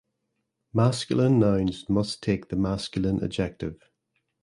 Masculine nouns must take the masculine adj.